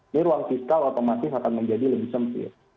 ini ruang fiskal atau matis akan menjadi lebih sempit